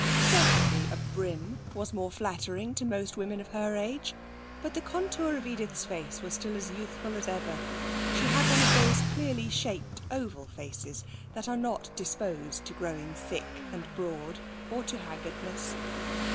Certainly a brim was more flattering to most women of her age, but the contour of Edith's face was still as youthful as ever; she had one of those clearly shaped oval faces that are not disposed to growing thick and broad, or to haggardness.